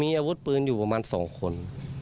มีอาวุธปืนอยู่ประมาณ๒คน